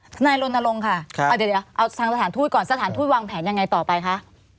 สนัยโรนรงค์ค่ะเอาสถานทูตก่อนสถานทูตวางแผนยังไงต่อไปท่ะ